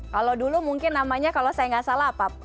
kalau dulu mungkin namanya kalau saya nggak salah apa